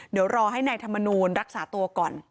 เดี๋ยวรอให้นายธรรมนูลรักษาตัวก่อน